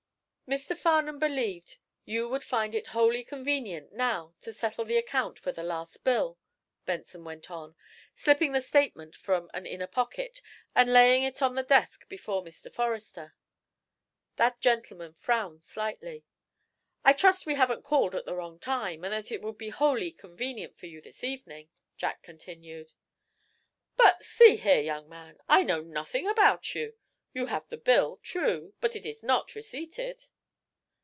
"Mr. Farnum believed you would find it wholly convenient, now, to settle the account for the last bill," Benson went on, slipping the statement from an inner pocket and laying it on the desk before Mr. Forrester. That gentleman frowned slightly. "I trust we haven't called at the wrong time, and that it will be wholly convenient for you this evening," Jack continued. "But, see here, young man, I know nothing about you. You have the bill, true, but it is not receipted."